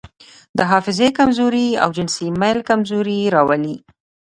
د حافظې کمزوري او جنسي میل کمزوري راولي.